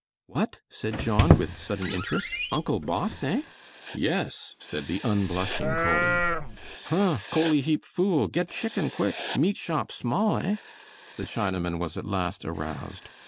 "What?" said John, with sudden interest, "Uncle boss, eh?" "Yes," said the unblushing Coley. "Huh! Coley heap fool! Get chicken, quick! meat shop, small, eh?" The Chinaman was at last aroused.